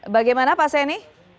bagaimana pak senni